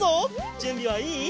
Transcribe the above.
じゅんびはいい？